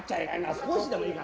少しでもいいから。